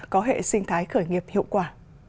có hệ sinh thái khởi nghiệp hiệu quả